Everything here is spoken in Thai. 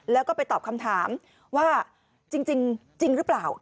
แล้วก็ไปตอบคำถามว่าจริงหรือเปล่า